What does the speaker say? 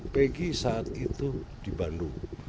peggy saat itu di bandung